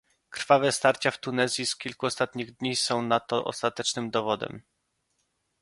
Krwawe starcia w Tunezji z kilku ostatnich dni są na to ostatecznym dowodem